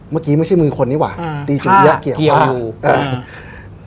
เมื่อกี้ไม่ใช่มือคนนี้หว่าอืมตีจุเยี๊ยะเกี่ยวผ้าเกี่ยวอืม